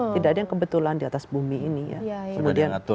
tidak ada yang kebetulan di atas bumi ini ya